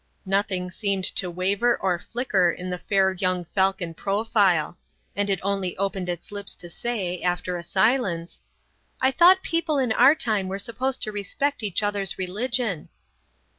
Nothing seemed to waver or flicker in the fair young falcon profile; and it only opened its lips to say, after a silence: "I thought people in our time were supposed to respect each other's religion."